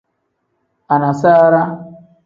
Anasaara.